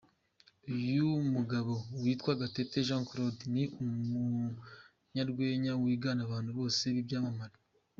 Uyu mugabo witwa Gatete Jean Claude ni umunyarwenya wigana abantu bose b'ibyamamare.